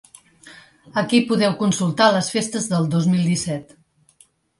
Aquí podeu consultar les festes del dos mil disset.